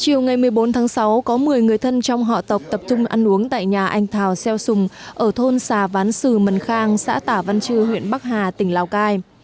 chiều ngày một mươi bốn tháng sáu có một mươi người thân trong họ tộc tập trung ăn uống tại nhà anh thào xeo sùng ở thôn xà ván sừ mần khang xã tả văn chư huyện bắc hà tỉnh lào cai